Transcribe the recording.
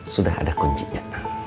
sudah ada kuncinya